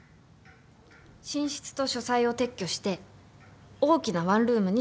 寝室と書斎を撤去して大きなワンルームにしました。